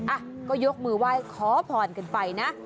อ่ะก็ยกมือวายขอผ่อนกันไปนะ